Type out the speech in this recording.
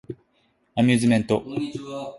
アミューズメント